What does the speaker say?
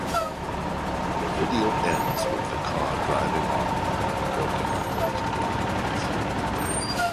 The video ends with the car driving on with broken white lines.